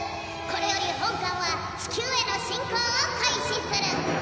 これより本艦は地球への進攻を開始する。